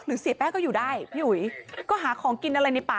เสียแป้งก็อยู่ได้พี่อุ๋ยก็หาของกินอะไรในป่า